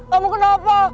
lo mau kenapa